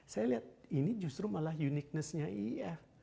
saya lihat ini justru malah uniqueness nya iif